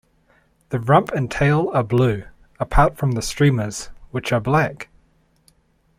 The rump and tail are blue, apart from the streamers, which are black.